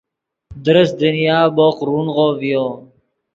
درست دنیا بوق رونغو ڤیو